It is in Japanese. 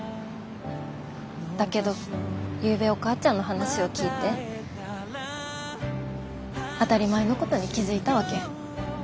だけどゆうべお母ちゃんの話を聞いて当たり前のことに気付いたわけ。